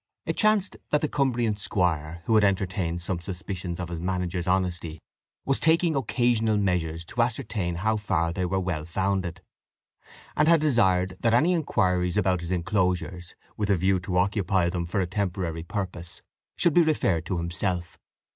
It chanced that the Cumbrian squire, who had entertained some suspicions of his manager's honesty, was taking occasional measures to ascertain how far they were well founded, and had desired that any inquiries about his inclosures, with a view to occupy them for a temporary purpose, should be referred to himself.